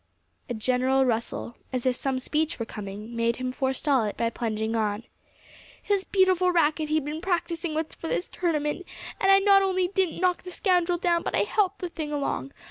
A general rustle, as if some speech were coming, made him forestall it by plunging on, "His beautiful racket he'd been practising with for this tournament; and I not only didn't knock the scoundrel down, but I helped the thing along.